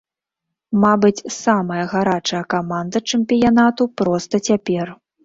Мабыць, самая гарачая каманда чэмпіянату проста цяпер.